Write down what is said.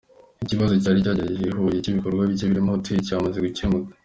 Ikibazo cyari cyagaragaye i Huye cy’ibikorwa bike birimo hotel, cyamaze gukemuka.